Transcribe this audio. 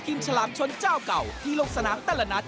ฉลามชนเจ้าเก่าที่ลงสนามแต่ละนัด